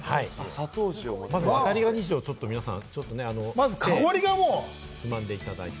まずワタリガニ塩をつまんでいただいて。